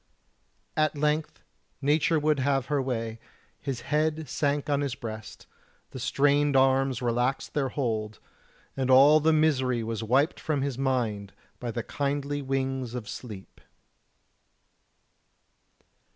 At length Nature would have her way his head sank on his breast, the strained arms relaxed their hold, and all the misery was wiped from his mind by the kindly wings of sleep.